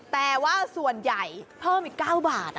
แต่ว่าส่วนใหญ่เพิ่มอีก๙บาท